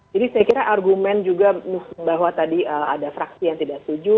jadi saya kira argumen juga bahwa tadi ada fraksi yang tidak setuju